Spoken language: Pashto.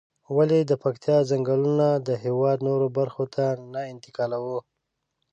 ولې د پکتيا ځنگلونه د هېواد نورو برخو ته نه انتقالوو؟